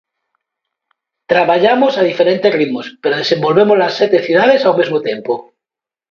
Traballamos a diferentes ritmos, pero desenvolvemos as sete cidades ao mesmo tempo.